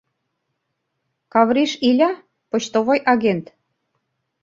Кавриш Иля, почтовой агент.